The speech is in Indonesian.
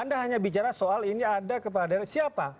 anda hanya bicara soal ini ada kepada siapa